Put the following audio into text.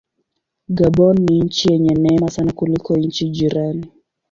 Gabon ni nchi yenye neema sana kuliko nchi jirani.